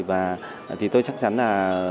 và thì tôi chắc chắn là